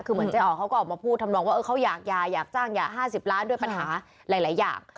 คือเหมือนเจ๊อ๋อเขาก็ออกมาพูดทำนองว่าเขาอยากจ้างอย่า๕๐ล้านด้วยปัญหาหลายอย่าง